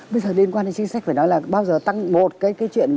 bây giờ liên quan đến chính sách phải nói là bao giờ tăng một cái chuyện